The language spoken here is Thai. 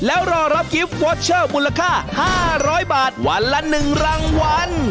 แล้วรอรับกิฟต์วอเชอร์มูลค่า๕๐๐บาทวันละ๑รางวัล